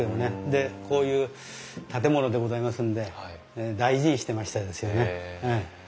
でこういう建物でございますんで大事にしてましたですよね。